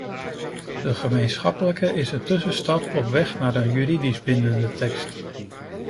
De gemeenschappelijke is een tussenstap op weg naar een juridisch bindende tekst.